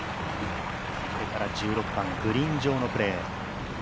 これから１６番グリーン上のプレー。